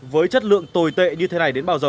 với chất lượng tồi tệ như thế này đến bao giờ